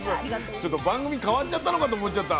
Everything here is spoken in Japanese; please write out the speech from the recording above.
ちょっと番組変わっちゃったのかと思っちゃった。